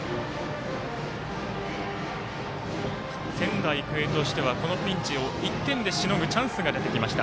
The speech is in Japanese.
仙台育英としては、このピンチを１点でしのぐチャンスが出てきました。